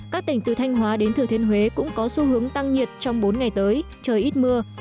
các tỉnh từ thanh hóa đến thừa thiên huế cũng có xu hướng tăng nhiệt trong bốn ngày tới trời ít mưa